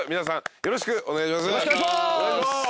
よろしくお願いします。